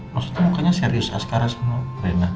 maksudnya mukanya serius askara semua rena